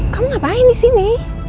kamu ngapain disini